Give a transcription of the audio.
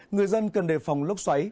người dân cần đề phòng lốc xoáy